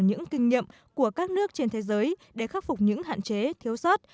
những kinh nghiệm của các nước trên thế giới để khắc phục những hạn chế thiếu sót